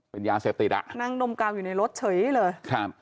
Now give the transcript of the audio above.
เป็นยาเสพติดนั่งนมกล้าวอยู่ในรถเฉยเลย